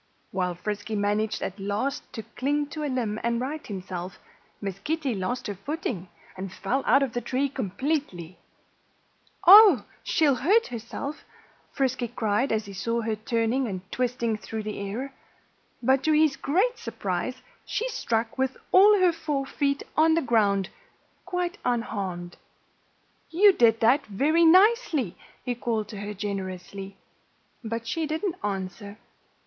While Frisky managed at last to cling to a limb and right himself, Miss Kitty lost her footing and fell out of the tree completely. "Oh! She'll he hurt!" Frisky cried as he saw her turning and twisting through the air. But to his great surprise she struck with all her four feet on the ground, quite unharmed. "You did that very nicely," he called to her generously. But she didn't answer.